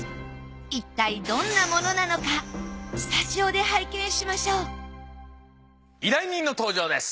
いったいどんなものなのかスタジオで拝見しましょう依頼人の登場です。